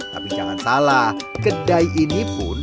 tapi jangan salah kedai ini pun